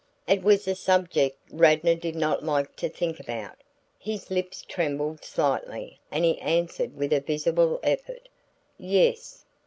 It was a subject Radnor did not like to think about. His lips trembled slightly and he answered with a visible effort. "Yes."